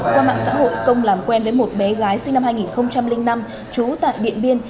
qua mạng xã hội công làm quen với một bé gái sinh năm hai nghìn năm trú tại điện biên